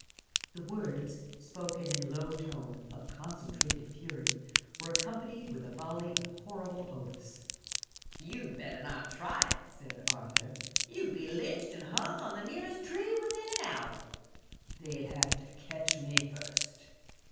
The words, spoken in low tone, of concentrated fury, were accompanied with a volley of horrible oaths. "You'd better not try it!" said Arthur; "you'd be lynched and hung on the nearest tree within an hour." "They'd have to catch me first."